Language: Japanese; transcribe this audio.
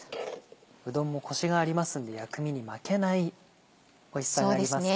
うどんもコシがありますんで薬味に負けないおいしさがありますね。